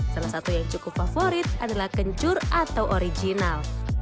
salah satu yang cukup favorit adalah kencur atau original